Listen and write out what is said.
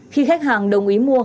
khi khách hàng đồng ý mua